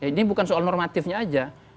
ini bukan soal normatifnya aja